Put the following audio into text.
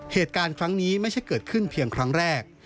เหตุการณ์ครั้งนี้ไม่ใช่เกิดขึ้นเพียงครั้งแรก